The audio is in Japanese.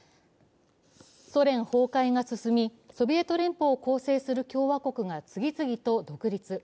ソ連崩壊が進み、ソビエト連邦を構成する共和国が次々と独立。